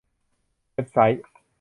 เว็บไซต์